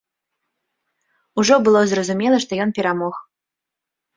Ужо было зразумела, што ён перамог.